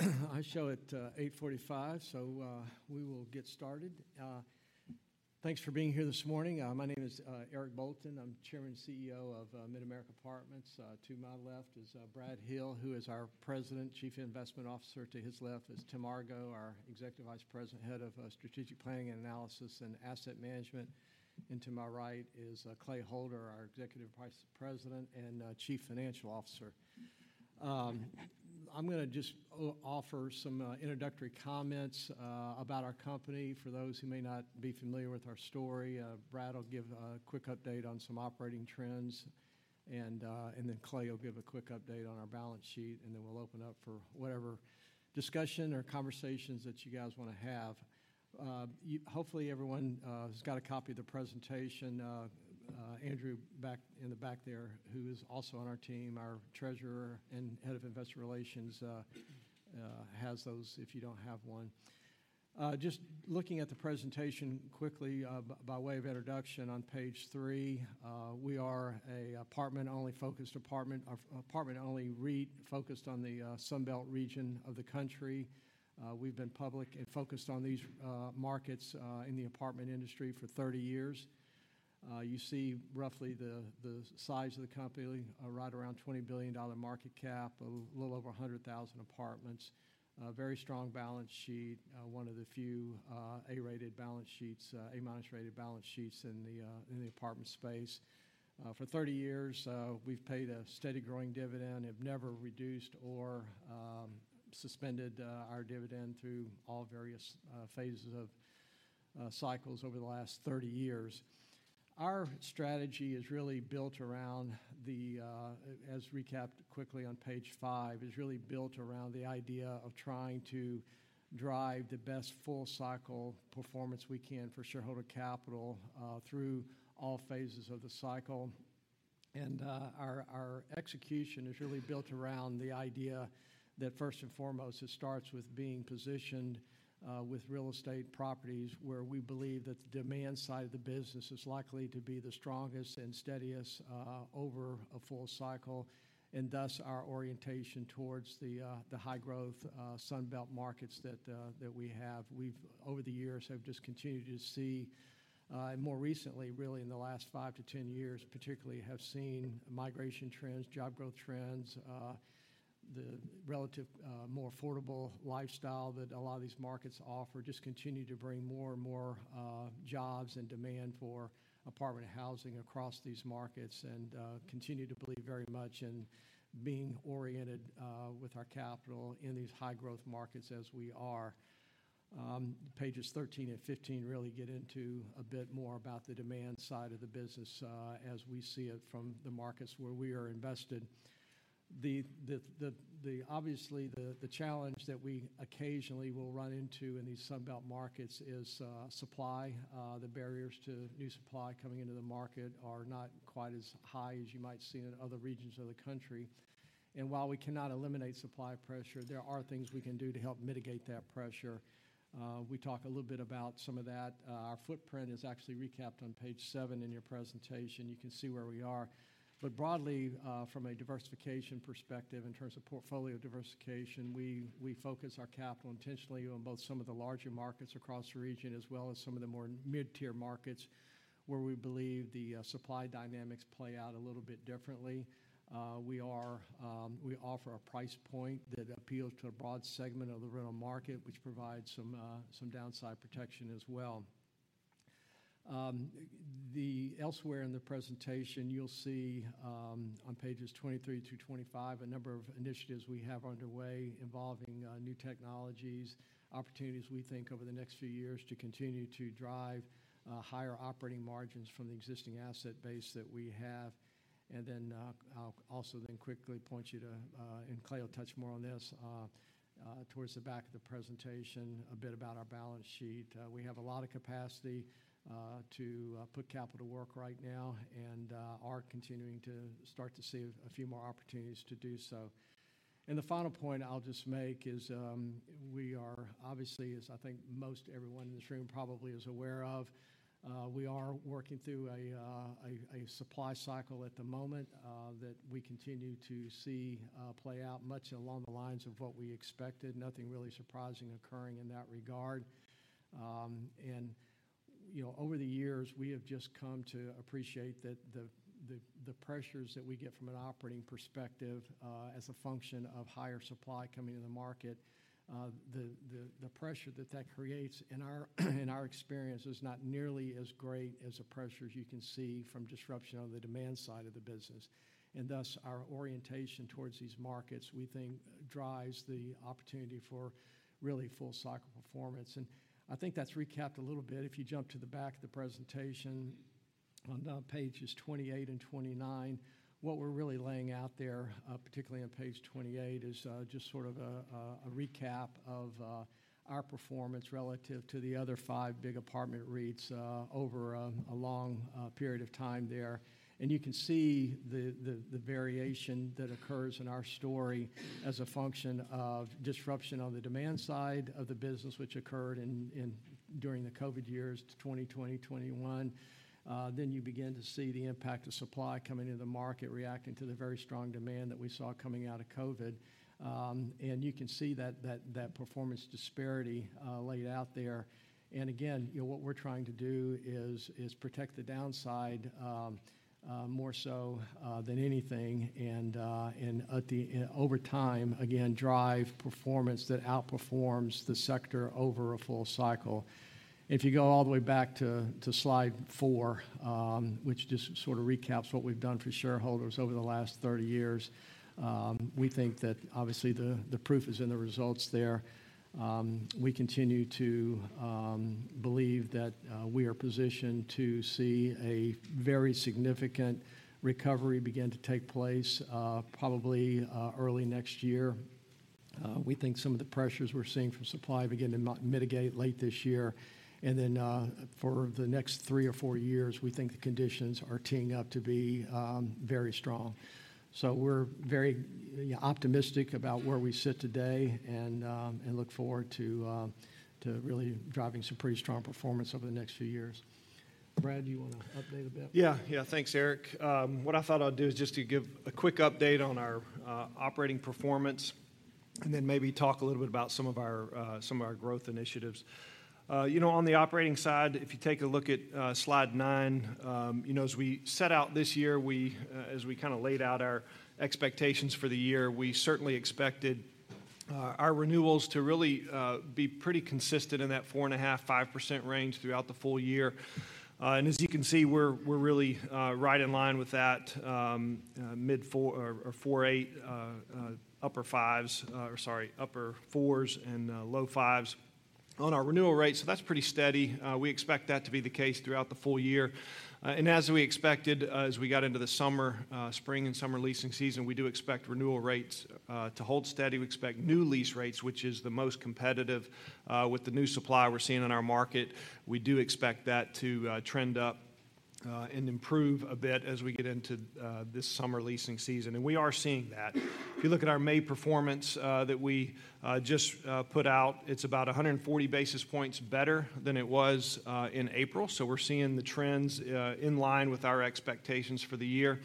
Well, I show at 8:45 A.M., so we will get started. Thanks for being here this morning. My name is Eric Bolton. I'm Chairman and CEO of Mid-America Apartments. To my left is Brad Hill, who is our President, Chief Investment Officer. To his left is Tim Argo, our Executive Vice President, Head of Strategic Planning and Analysis and Asset Management. And to my right is Clay Holder, our Executive Vice President and Chief Financial Officer. I'm gonna just offer some introductory comments about our company for those who may not be familiar with our story. Brad will give a quick update on some operating trends, and then Clay will give a quick update on our balance sheet, and then we'll open up for whatever discussion or conversations that you guys wanna have. Hopefully everyone has got a copy of the presentation. Andrew, in the back there, who is also on our team, our Treasurer and Head of Investor Relations, has those, if you don't have one. Just looking at the presentation quickly, by way of introduction, on page three, we are an apartment-only focused, apartment-only REIT focused on the Sunbelt region of the country. We've been public and focused on these markets in the apartment industry for 30 years. You see roughly the size of the company, right around $20 billion market cap, a little over 100,000 apartments. Very strong balance sheet, one of the few A-rated balance sheets, A-minus rated balance sheets in the apartment space. For 30 years, we've paid a steady growing dividend, have never reduced or suspended our dividend through all various phases of cycles over the last 30 years. Our strategy is really built around, as recapped quickly on page five, is really built around the idea of trying to drive the best full-cycle performance we can for shareholder capital, through all phases of the cycle. Our execution is really built around the idea that, first and foremost, it starts with being positioned with real estate properties, where we believe that the demand side of the business is likely to be the strongest and steadiest over a full cycle, and thus our orientation towards the high-growth Sunbelt markets that we have. We've over the years have just continued to see. More recently, really in the last five years to 10 years, particularly, have seen migration trends, job growth trends, the relative more affordable lifestyle that a lot of these markets offer. Just continue to bring more and more jobs and demand for apartment housing across these markets. Continue to believe very much in being oriented with our capital in these high-growth markets as we are. Pages 13 and 15 really get into a bit more about the demand side of the business, as we see it from the markets where we are invested. Obviously, the challenge that we occasionally will run into in these Sunbelt markets is supply. The barriers to new supply coming into the market are not quite as high as you might see in other regions of the country. And while we cannot eliminate supply pressure, there are things we can do to help mitigate that pressure. We talk a little bit about some of that. Our footprint is actually recapped on page seven in your presentation. You can see where we are. But broadly, from a diversification perspective, in terms of portfolio diversification, we focus our capital intentionally on both some of the larger markets across the region. As well as some of the more mid-tier markets, where we believe the supply dynamics play out a little bit differently. We offer a price point that appeals to a broad segment of the rental market, which provides some downside protection as well. Elsewhere in the presentation, you'll see on pages 23-25, a number of initiatives we have underway involving new technologies, opportunities we think over the next few years to continue to drive higher operating margins from the existing asset base that we have. And then, I'll also then quickly point you to, and Clay will touch more on this, towards the back of the presentation, a bit about our balance sheet. We have a lot of capacity to put capital to work right now and are continuing to start to see a few more opportunities to do so. And the final point I'll just make is, we are obviously, as I think most everyone in this room probably is aware of, we are working through a supply cycle at the moment, that we continue to see play out much along the lines of what we expected. Nothing really surprising occurring in that regard. And, you know, over the years, we have just come to appreciate that the pressures that we get from an operating perspective as a function of higher supply coming in the market. The pressure that that creates, in our experience, is not nearly as great as the pressures you can see from disruption on the demand side of the business. And thus, our orientation towards these markets, we think, drives the opportunity for really full cycle performance. And I think that's recapped a little bit. If you jump to the back of the presentation, on pages 28 and 29. What we're really laying out there, particularly on page 28, is just sort of a recap of our performance relative to the other five big apartment REITs, over a long period of time there. You can see the variation that occurs in our story as a function of disruption on the demand side of the business, which occurred during the COVID years, 2020-2021. Then you begin to see the impact of supply coming into the market reacting to the very strong demand that we saw coming out of COVID. And you can see that performance disparity laid out there. And again, you know, what we're trying to do is protect the downside more so than anything, and over time, again, drive performance that outperforms the sector over a full cycle. If you go all the way back to slide four, which just sort of recaps what we've done for shareholders over the last 30 years, we think that obviously the proof is in the results there. We continue to believe that we are positioned to see a very significant recovery begin to take place, probably early next year. We think some of the pressures we're seeing from supply begin to mitigate late this year. And then, for the next three years-four years, we think the conditions are teeing up to be very strong. So we're very, yeah, optimistic about where we sit today and look forward to really driving some pretty strong performance over the next few years. Brad, do you wanna update a bit? Yeah. Yeah. Thanks, Eric. What I thought I'd do is just to give a quick update on our operating performance. And then maybe talk a little bit about some of our growth initiatives. You know, on the operating side, if you take a look at slide nine. You know, as we set out this year, as we kinda laid out our expectations for the year, we certainly expected our renewals to really be pretty consistent in that 4.5%-5% range throughout the full year. And as you can see, we're really right in line with that, mid-4% or 4.8%, upper 5%, sorry, upper-4% and low-5% on our renewal rate, so that's pretty steady. We expect that to be the case throughout the full year. And as we expected, as we got into the summer, spring and summer leasing season, we do expect renewal rates to hold steady. We expect new lease rates, which is the most competitive, with the new supply we're seeing in our market. We do expect that to trend up and improve a bit as we get into this summer leasing season, and we are seeing that. If you look at our May performance that we just put out, it's about 140 basis points better than it was in April. So we're seeing the trends in line with our expectations for the year.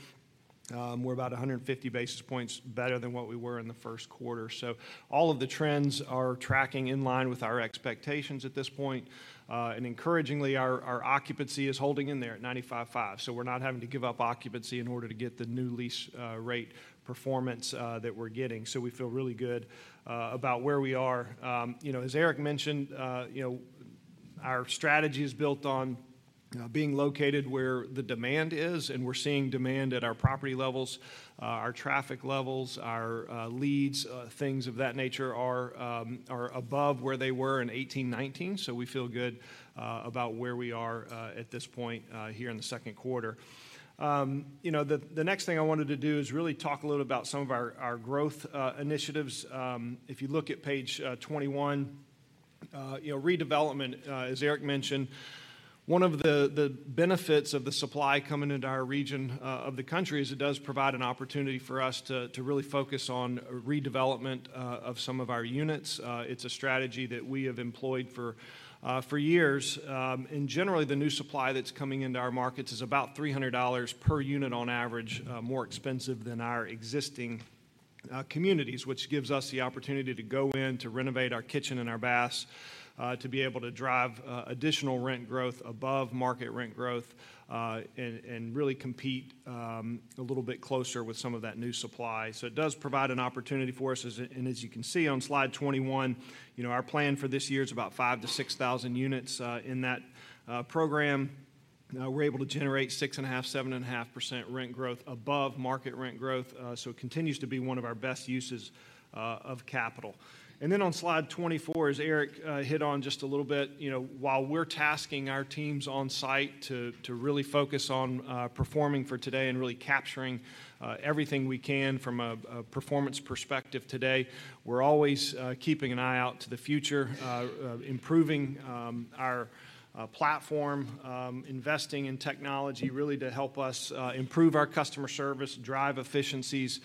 We're about 150 basis points better than what we were in the first quarter. So all of the trends are tracking in line with our expectations at this point. Encouragingly, our occupancy is holding in there at 95.5%, so we're not having to give up occupancy in order to get the new lease rate performance that we're getting. So we feel really good about where we are. You know, as Eric mentioned, you know, our strategy is built on being located where the demand is, and we're seeing demand at our property levels, our traffic levels, our leads, things of that nature are above where they were in 2018-2019. So we feel good about where we are at this point here in the second quarter. You know, the next thing I wanted to do is really talk a little about some of our growth initiatives. If you look at page 21, you know, redevelopment, as Eric mentioned. One of the benefits of the supply coming into our region of the country is it does provide an opportunity for us to really focus on redevelopment of some of our units. It's a strategy that we have employed for years. And generally, the new supply that's coming into our markets is about $300 per unit on average, more expensive than our existing communities, which gives us the opportunity to go in to renovate our kitchen and our baths, to be able to drive additional rent growth above market rent growth, and really compete a little bit closer with some of that new supply. So it does provide an opportunity for us. And as you can see on slide 21, you know, our plan for this year is about 5,000-6,000 units in that program. We're able to generate 6.5%-7.5% rent growth above market rent growth, so it continues to be one of our best uses of capital. And then on slide 24, as Eric hit on just a little bit, you know, while we're tasking our teams on-site to really focus on performing for today and really capturing everything we can from a performance perspective today, we're always keeping an eye out to the future, improving our platform, investing in technology, really to help us improve our customer service, drive efficiencies,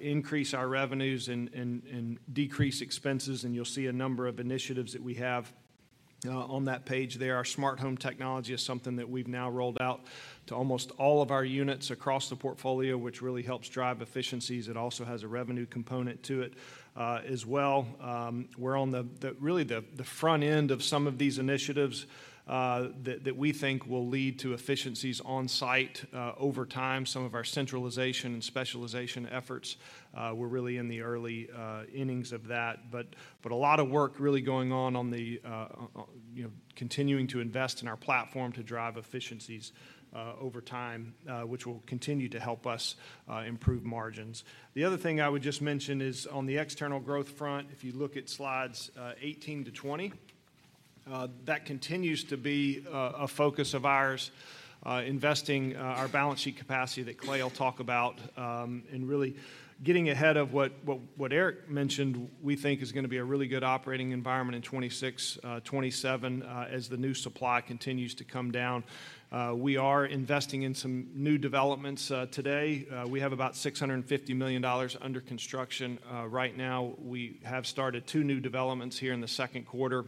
increase our revenues, and decrease expenses, and you'll see a number of initiatives that we have on that page there. Our smart home technology is something that we've now rolled out to almost all of our units across the portfolio, which really helps drive efficiencies. It also has a revenue component to it, as well. We're on the front end of some of these initiatives that we think will lead to efficiencies on-site over time. Some of our centralization and specialization efforts, we're really in the early innings of that. But a lot of work really going on, you know, continuing to invest in our platform to drive efficiencies over time, which will continue to help us improve margins. The other thing I would just mention is on the external growth front, if you look at slides 18-20... That continues to be a focus of ours, investing our balance sheet capacity that Clay will talk about, and really getting ahead of what Eric mentioned, we think is gonna be a really good operating environment in 2026-2027, as the new supply continues to come down. We are investing in some new developments today. We have about $650 million under construction right now. We have started two new developments here in the second quarter.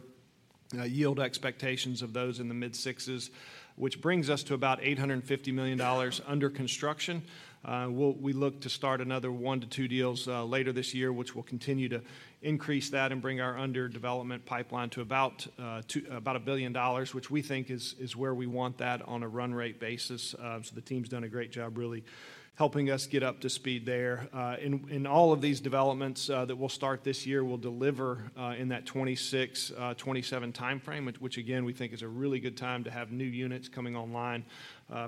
Yield expectations of those in the mid-6%, which brings us to about $850 million under construction. We'll look to start another one-two deals later this year, which will continue to increase that and bring our under-development pipeline to about $1 billion, which we think is where we want that on a run rate basis. So the team's done a great job really helping us get up to speed there. And all of these developments that we'll start this year will deliver in that 2026-2027 timeframe, which again we think is a really good time to have new units coming online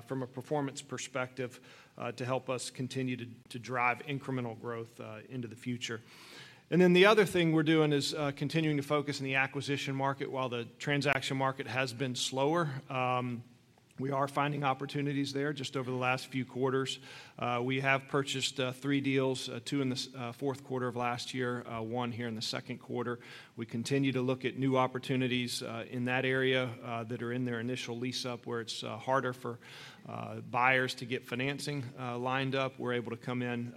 from a performance perspective to help us continue to drive incremental growth into the future. And then the other thing we're doing is continuing to focus on the acquisition market. While the transaction market has been slower, we are finding opportunities there. Just over the last few quarters, we have purchased three deals. Two in the fourth quarter of last year. One here in the second quarter. We continue to look at new opportunities in that area that are in their initial lease-up, where it's harder for buyers to get financing lined up. We're able to come in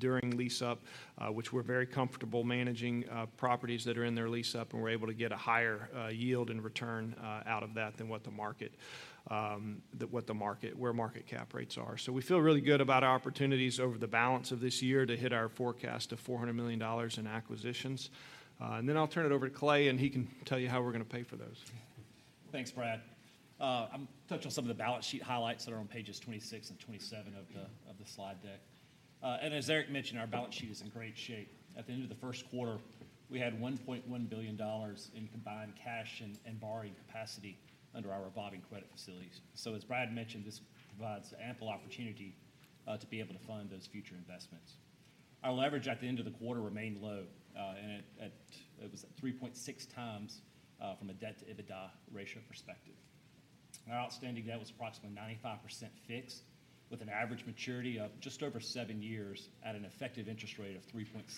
during lease-up, which we're very comfortable managing properties that are in their lease-up, and we're able to get a higher yield and return out of that than what the market, where market cap rates are. So we feel really good about our opportunities over the balance of this year to hit our forecast of $400 million in acquisitions. And then I'll turn it over to Clay, and he can tell you how we're gonna pay for those. Thanks, Brad. I'm gonna touch on some of the balance sheet highlights that are on pages 26 and 27 of the slide deck. And as Eric mentioned, our balance sheet is in great shape. At the end of the first quarter, we had $1.1 billion in combined cash and borrowing capacity under our revolving credit facilities. So as Brad mentioned, this provides ample opportunity to be able to fund those future investments. Our leverage at the end of the quarter remained low and it was at 3.6x from a debt-to-EBITDA ratio perspective. Our outstanding debt was approximately 95% fixed, with an average maturity of just over seven years at an effective interest rate of 3.6%.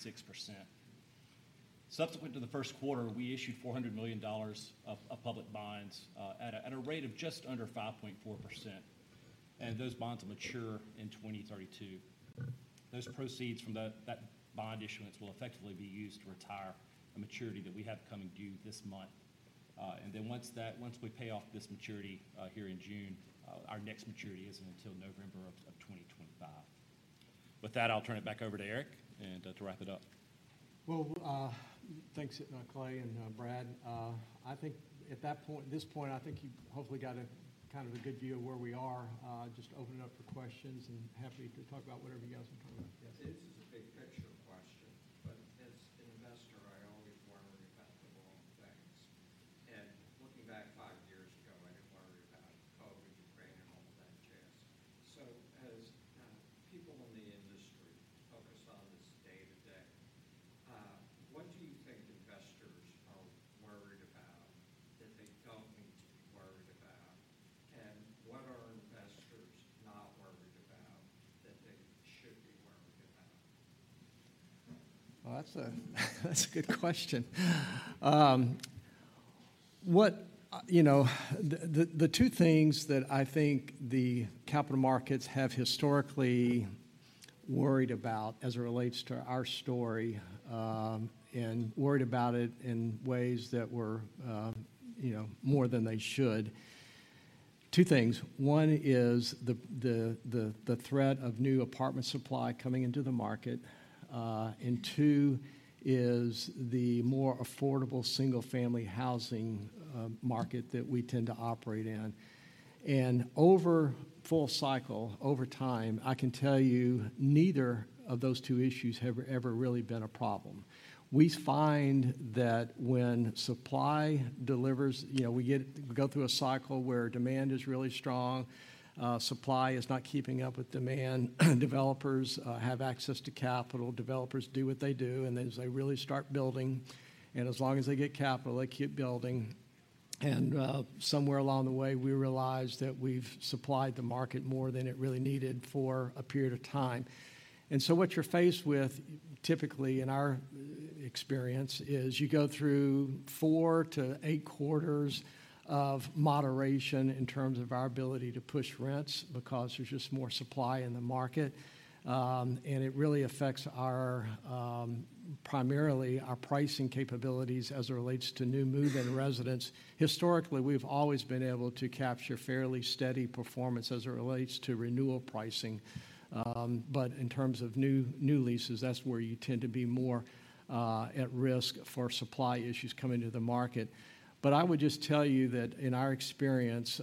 Subsequent to the first quarter, we issued $400 million of public bonds at a rate of just under 5.4%, and those bonds will mature in 2032. Those proceeds from that bond issuance will effectively be used to retire a maturity that we have coming due this month. And then once we pay off this maturity here in June, our next maturity isn't until November of 2025. With that, I'll turn it back over to Eric and to wrap it up. Well, thanks, Clay and, Brad. I think at that point, this point, I think you've hopefully got a kind of a good view of where we are. Just open it up for questions, and happy to talk about whatever you guys wanna talk about. Yes. This is a big-picture question. But as an investor, I always worry about the wrong things. Looking back five years ago, I didn't worry about COVID, Ukraine, and all of that jazz. As people in the industry focus on this day-to-day, what do you think investors are worried about that they don't need to be worried about? What are investors not worried about that they should be worried about? Well, that's a good question. You know, the two things that I think the capital markets have historically worried about as it relates to our story, and worried about it in ways that were, you know, more than they should. Two things: One is the threat of new apartment supply coming into the market, and two is the more affordable single-family housing market that we tend to operate in. And over full cycle, over time, I can tell you, neither of those two issues have ever really been a problem. We find that when supply delivers, you know, we go through a cycle where demand is really strong, supply is not keeping up with demand, developers have access to capital, developers do what they do, and as they really start building, and as long as they get capital, they keep building. And somewhere along the way, we realize that we've supplied the market more than it really needed for a period of time. And so what you're faced with, typically in our experience, is you go through four quarters-eight quarters of moderation in terms of our ability to push rents because there's just more supply in the market, and it really affects our primarily our pricing capabilities as it relates to new move-in residents. Historically, we've always been able to capture fairly steady performance as it relates to renewal pricing, but in terms of new leases, that's where you tend to be more at risk for supply issues coming to the market. But I would just tell you that in our experience,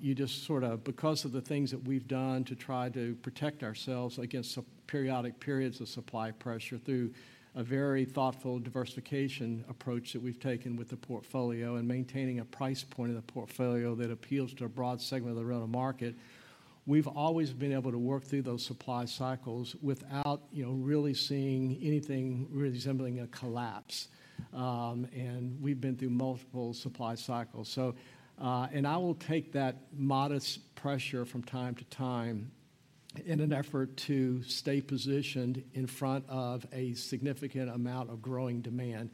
you just sort of... because of the things that we've done to try to protect ourselves against periodic periods of supply pressure through a very thoughtful diversification approach that we've taken with the portfolio and maintaining a price point of the portfolio that appeals to a broad segment of the rental market. We've always been able to work through those supply cycles without, you know, really seeing anything resembling a collapse. And we've been through multiple supply cycles. So, and I will take that modest pressure from time to time in an effort to stay positioned in front of a significant amount of growing demand.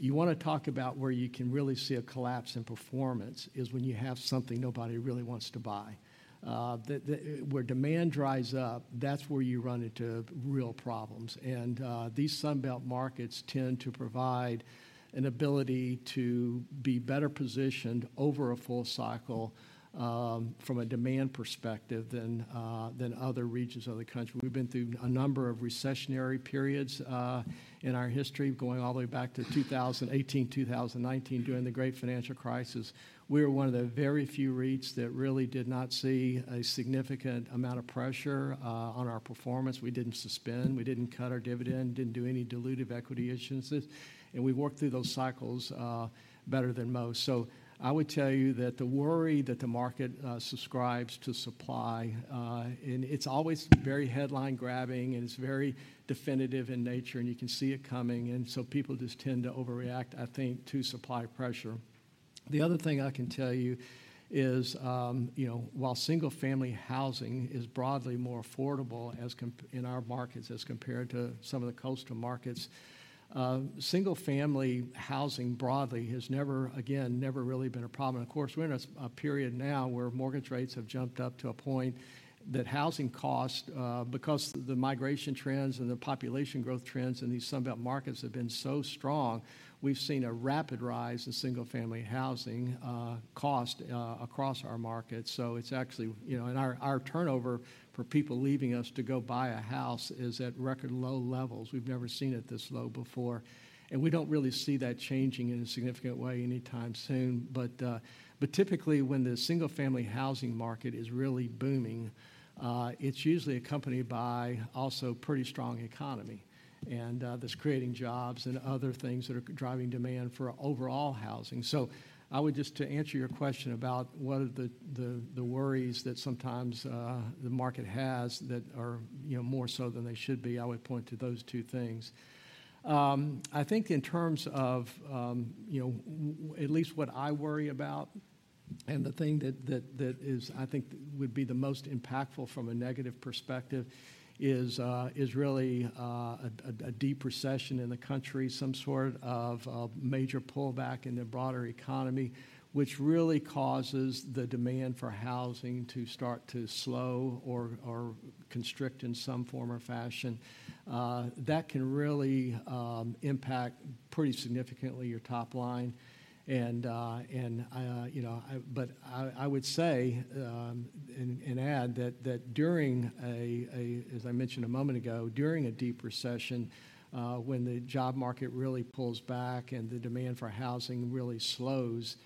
You wanna talk about where you can really see a collapse in performance, is when you have something nobody really wants to buy. Where demand dries up, that's where you run into real problems. And, these Sunbelt markets tend to provide an ability to be better positioned over a full cycle, from a demand perspective than, than other regions of the country. We've been through a number of recessionary periods, in our history, going all the way back to 2018-2019, during the Great Financial Crisis. We were one of the very few REITs that really did not see a significant amount of pressure, on our performance. We didn't suspend. We didn't cut our dividend, didn't do any dilutive equity issuances, and we worked through those cycles, better than most. So I would tell you that the worry that the market subscribes to supply, and it's always very headline-grabbing, and it's very definitive in nature, and you can see it coming, and so people just tend to overreact, I think, to supply pressure. The other thing I can tell you is, you know, while single-family housing is broadly more affordable as in our markets as compared to some of the coastal markets, single-family housing broadly has never, again, never really been a problem. Of course, we're in a period now where mortgage rates have jumped up to a point that housing costs, because the migration trends and the population growth trends in these Sunbelt markets have been so strong. We've seen a rapid rise in single-family housing cost across our markets. So it's actually... You know, and our turnover for people leaving us to go buy a house is at record low levels. We've never seen it this low before, and we don't really see that changing in a significant way anytime soon. But, but typically, when the single-family housing market is really booming, it's usually accompanied by also pretty strong economy, and that's creating jobs and other things that are driving demand for overall housing. So I would just, to answer your question about what are the worries that sometimes the market has that are, you know, more so than they should be, I would point to those two things. I think in terms of, you know, at least what I worry about, and the thing that is, I think would be the most impactful from a negative perspective, is really a deep recession in the country. Some sort of major pullback in the broader economy, which really causes the demand for housing to start to slow or constrict in some form or fashion. That can really impact pretty significantly your top line. And, you know, I... But I would say, and add that, as I mentioned a moment ago, during a deep recession, when the job market really pulls back and the demand for housing really slows,.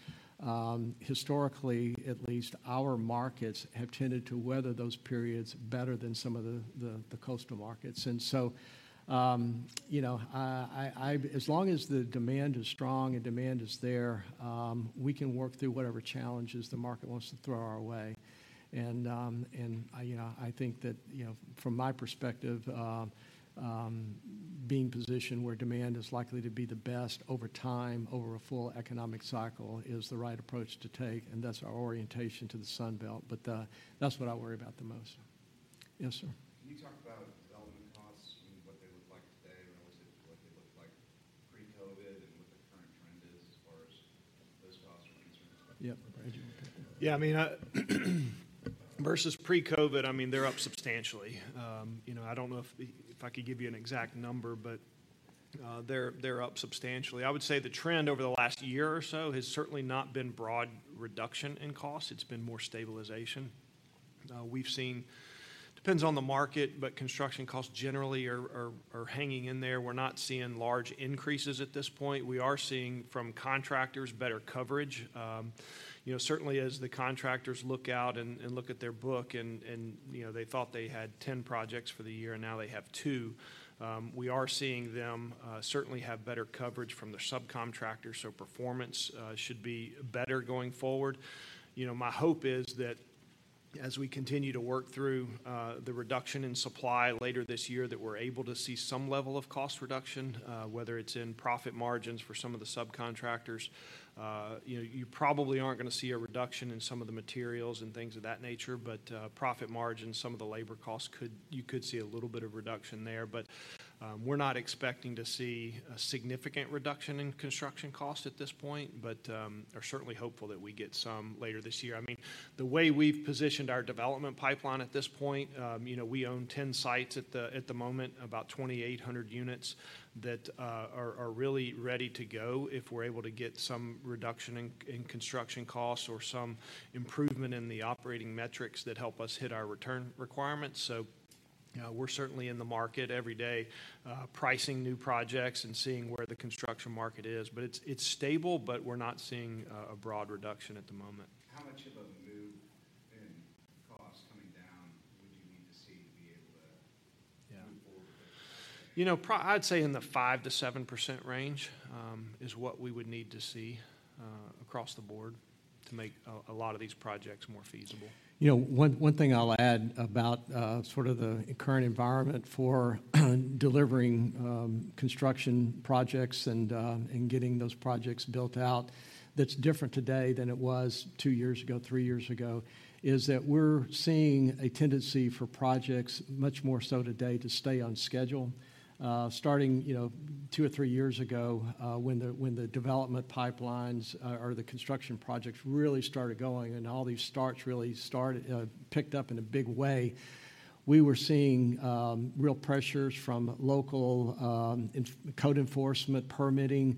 Historically, at least, our markets have tended to weather those periods better than some of the coastal markets. And so, you know, I—as long as the demand is strong and demand is there, we can work through whatever challenges the market wants to throw our way. And, you know, I think that, you know, from my perspective, being positioned where demand is likely to be the best over time, over a full economic cycle, is the right approach to take, and that's our orientation to the Sunbelt. But, that's what I worry about the most. Yes, sir? Can you talk about development costs and what they look like today, versus what they looked like pre-COVID, and what the current trend is as far as those costs are concerned? Yep. Yeah, I mean, versus pre-COVID, I mean, they're up substantially. You know, I don't know if I could give you an exact number, but, they're up substantially. I would say the trend over the last year or so has certainly not been broad reduction in costs. It's been more stabilization. We've seen. Depends on the market, but construction costs generally are hanging in there. We're not seeing large increases at this point. We are seeing, from contractors, better coverage. You know, certainly as the contractors look out and look at their book and, you know, they thought they had 10 projects for the year, and now they have two projects. We are seeing them certainly have better coverage from their subcontractors, so performance should be better going forward. You know, my hope is that as we continue to work through the reduction in supply later this year, that we're able to see some level of cost reduction, whether it's in profit margins for some of the subcontractors. You know, you probably aren't gonna see a reduction in some of the materials and things of that nature, but profit margins, some of the labor costs you could see a little bit of reduction there. But we're not expecting to see a significant reduction in construction costs at this point, but are certainly hopeful that we get some later this year. I mean, the way we've positioned our development pipeline at this point, you know, we own 10 sites at the moment, about 2,800 units that are really ready to go if we're able to get some reduction in construction costs or some improvement in the operating metrics that help us hit our return requirements. So, we're certainly in the market every day, pricing new projects and seeing where the construction market is. But it's stable, but we're not seeing a broad reduction at the moment. How much of a move in costs coming down would you mean to see? You know, pro, I'd say in the 5%-7% range is what we would need to see across the board to make a lot of these projects more feasible. You know, one thing I'll add about, sort of the current environment for delivering, construction projects and, and getting those projects built out that's different today than it was two years ago, three years ago, is that we're seeing a tendency for projects, much more so today, to stay on schedule. Starting, you know, two or three years ago, when the development pipelines, or the construction projects really started going and all these starts really started, picked up in a big way, we were seeing, real pressures from local, inspection code enforcement, permitting,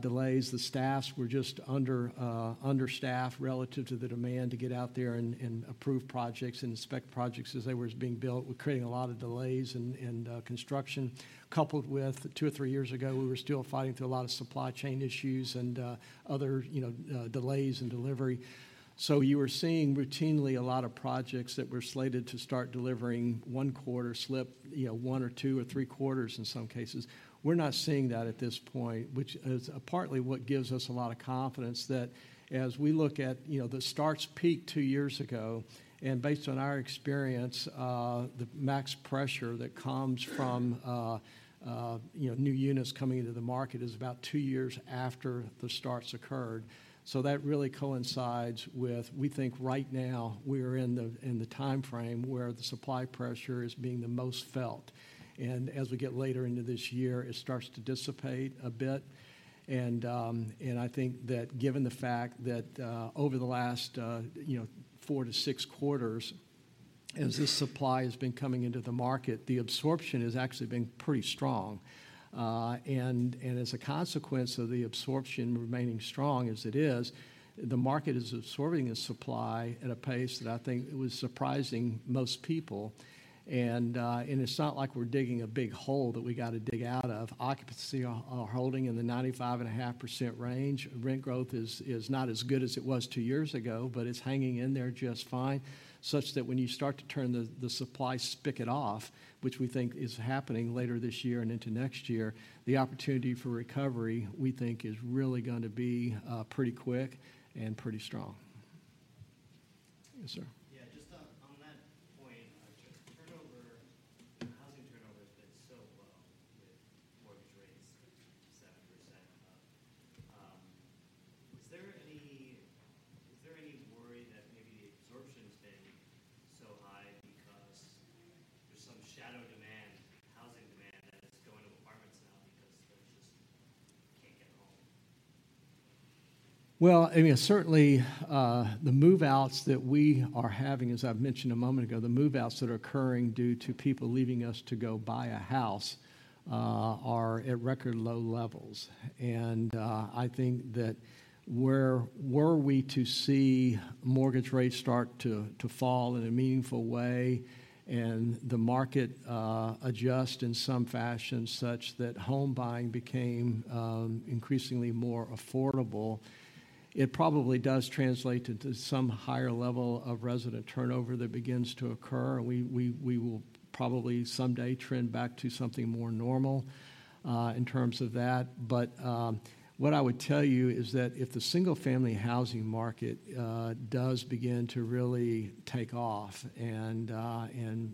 delays. The staffs were just understaffed relative to the demand to get out there and approve projects and inspect projects as they were being built, creating a lot of delays in construction. Coupled with two years-three years ago, we were still fighting through a lot of supply chain issues and, other, you know, delays in delivery. So you were seeing routinely a lot of projects that were slated to start delivering one quarter slip, you know, one quarter-three quarters in some cases. We're not seeing that at this point, which is partly what gives us a lot of confidence that as we look at, you know, the starts peaked two years ago. And based on our experience, the max pressure that comes from, you know, new units coming into the market is about two years after the starts occurred. So that really coincides with, we think right now, we are in the, in the time frame where the supply pressure is being the most felt. And as we get later into this year, it starts to dissipate a bit. And, and I think that given the fact that, over the last, you know, four quarters-six quarters, as this supply has been coming into the market, the absorption has actually been pretty strong. And, and as a consequence of the absorption remaining strong as it is, the market is absorbing the supply at a pace that I think it was surprising most people. And, and it's not like we're digging a big hole that we got to dig out of. Occupancy are holding in the 95.5% range. Rent growth is not as good as it was two years ago, but it's hanging in there just fine, such that when you start to turn the supply spigot off, which we think is happening later this year and into next year, the opportunity for recovery, we think, is really gonna be pretty quick and pretty strong. Yes, sir? Yeah, just, on that point. Just turnover. Housing turnover has been so low with mortgage rates 7%. Is there any, is there any worry that maybe the absorption's been so high because there's some shadow demand, housing demand, that is going to apartments now because they just can't get a home? Well, I mean, certainly, the move-outs that we are having, as I've mentioned a moment ago. The move-outs that are occurring due to people leaving us to go buy a house, are at record low levels. I think that where were we to see mortgage rates start to fall in a meaningful way and the market adjust in some fashion such that home buying became increasingly more affordable, it probably does translate into some higher level of resident turnover that begins to occur, and we will probably someday trend back to something more normal in terms of that. But what I would tell you is that if the single-family housing market does begin to really take off and,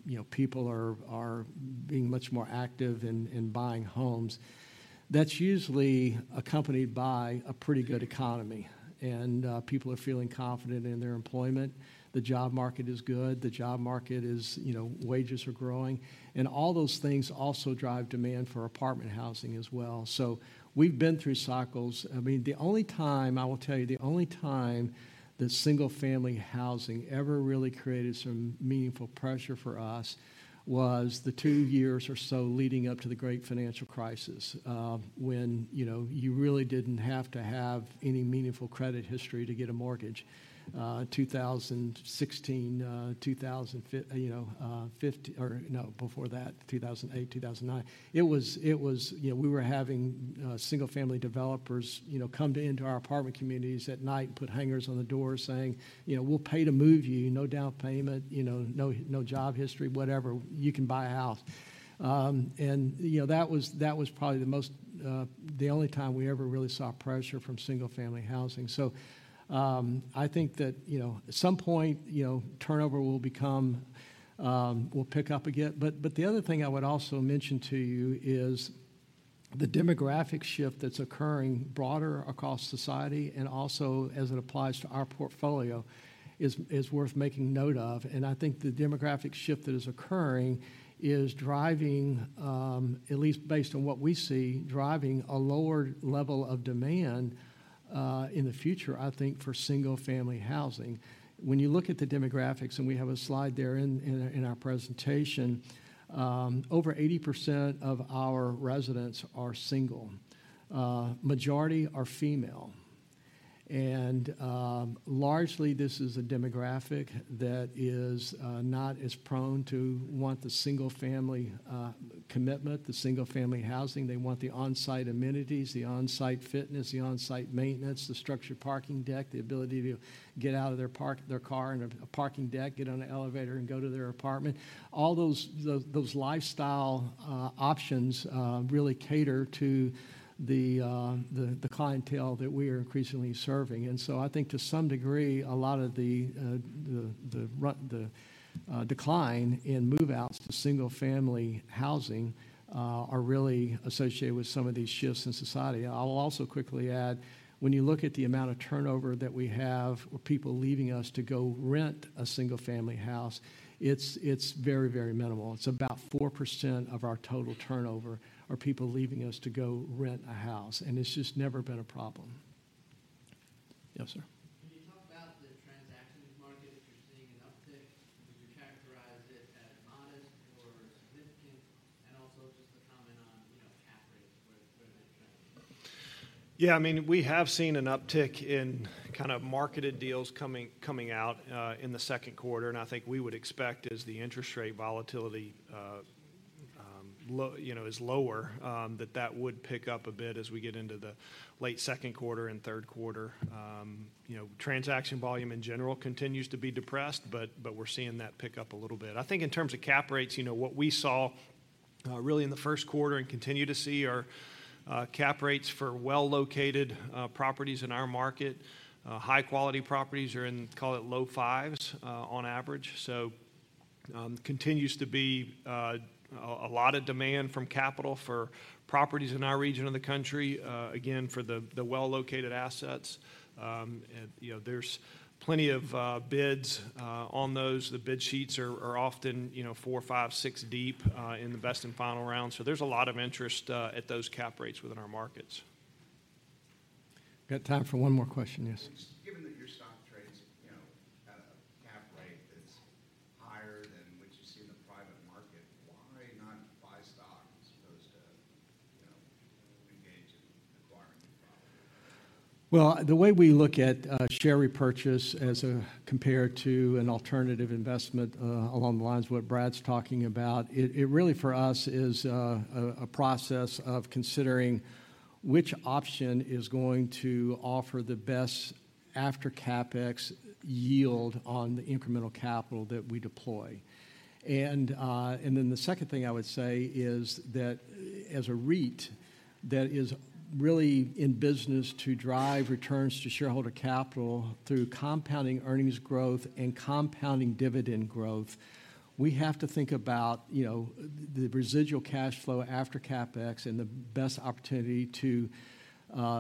you know, people are being much more active in buying homes, that's usually accompanied by a pretty good economy, and people are feeling confident in their employment. The job market is good. The job market is, you know, wages are growing, and all those things also drive demand for apartment housing as well. So we've been through cycles. I mean, the only time, I will tell you, the only time that single-family housing ever really created some meaningful pressure for us was the two years or so leading up to the Great Financial Crisis, when, you know, you really didn't have to have any meaningful credit history to get a mortgage. 2016, 2015... Or, no, before that, 2008-2009. It was. You know, we were having single-family developers, you know, come into our apartment communities at night and put hangers on the door saying, "You know, we'll pay to move you. No down payment, you know, no, no job history, whatever. You can buy a house." And, you know, that was probably the most, the only time we ever really saw pressure from single-family housing. So, I think that, you know, at some point, you know, turnover will become, will pick up again. But the other thing I would also mention to you is the demographic shift that's occurring broader across society and also as it applies to our portfolio is worth making note of. And I think the demographic shift that is occurring is driving, at least based on what we see, a lower level of demand in the future, I think, for single-family housing. When you look at the demographics, and we have a slide there in our presentation, over 80% of our residents are single. Majority are female. And largely, this is a demographic that is not as prone to want the single-family commitment, the single-family housing. They want the on-site amenities, the on-site fitness, the on-site maintenance, the structured parking deck, the ability to get out of their park their car in a parking deck, get on an elevator, and go to their apartment. All those, the, those lifestyle options really cater to the, the, the clientele that we are increasingly serving. And so I think to some degree, a lot of the, the, the rut, the, decline in move-outs to single-family housing are really associated with some of these shifts in society. I'll also quickly add, when you look at the amount of turnover that we have with people leaving us to go rent a single-family house, it's, it's very, very minimal. It's about 4% of our total turnover are people leaving us to go rent a house, and it's just never been a problem. Yes, sir? When you talk about the transactions market, if you're seeing an uptick, would you characterize it as modest or significant? And also, just a comment on, you know, cap rates, where they're trending? Yeah, I mean, we have seen an uptick in kind of marketed deals coming out in the second quarter, and I think we would expect as the interest rate volatility you know, is lower, that that would pick up a bit as we get into the late second quarter and third quarter. You know, transaction volume in general continues to be depressed, but we're seeing that pick up a little bit. I think in terms of cap rates, you know, what we saw really in the first quarter and continue to see are cap rates for well-located properties in our market. High-quality properties are in, call it, low fives on average. So, continues to be a lot of demand from capital for properties in our region of the country, again, for the well-located assets. And, you know, there's plenty of bids on those. The bid sheets are often, you know, four, five, six deep in the best and final round. So there's a lot of interest at those cap rates within our markets. Got time for one more question. Yes? Given that your stock trades, you know, at a cap rate that's higher than what you see in the private market, why not buy stock as opposed to, you know, engage in acquiring new property? Well, the way we look at share repurchase as a compared to an alternative investment, along the lines of what Brad's talking about, it really, for us, is a process of considering which option is going to offer the best after-CapEx yield on the incremental capital that we deploy. And then the second thing I would say is that as a REIT that is really in business to drive returns to shareholder capital through compounding earnings growth and compounding dividend growth, we have to think about, you know, the residual cash flow after-CapEx and the best opportunity to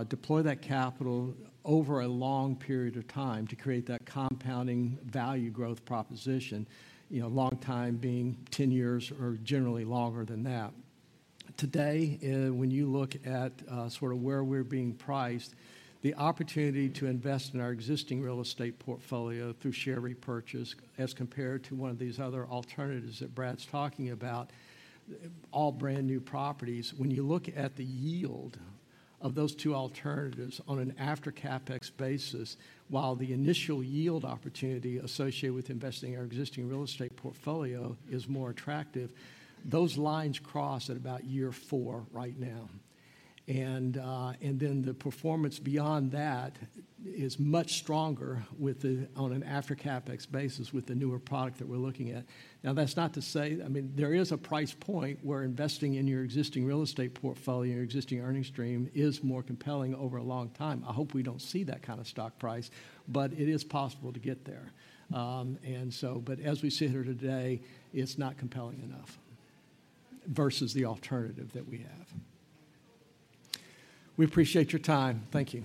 deploy that capital over a long period of time to create that compounding value growth proposition. You know, long time being 10 years or generally longer than that. Today, when you look at, sort of where we're being priced, the opportunity to invest in our existing real estate portfolio through share repurchase, as compared to one of these other alternatives that Brad's talking about, all brand-new properties. When you look at the yield of those two alternatives on an after-CapEx basis, while the initial yield opportunity associated with investing in our existing real estate portfolio is more attractive, those lines cross at about year four right now. And then the performance beyond that is much stronger with the, on an after-CapEx basis, with the newer product that we're looking at. Now, that's not to say... I mean, there is a price point where investing in your existing real estate portfolio, your existing earnings stream, is more compelling over a long time. I hope we don't see that kind of stock price, but it is possible to get there. And so, but as we sit here today, it's not compelling enough versus the alternative that we have. We appreciate your time. Thank you.